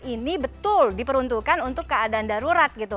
yang bisa mengambil tes ini betul diperuntukkan untuk keadaan darurat gitu